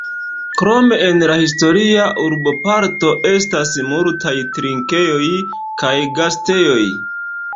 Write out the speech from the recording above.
Krome en la historia urboparto estas multaj trinkejoj kaj gastejoj.